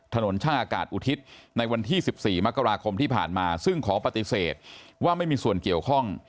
ช่างอากาศอุทิศในวันที่๑๔มกราคมที่ผ่านมาซึ่งขอปฏิเสธว่าไม่มีส่วนเกี่ยวข้อง